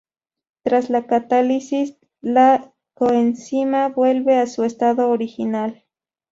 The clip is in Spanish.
Tras la catálisis la coenzima vuelve a su estado original.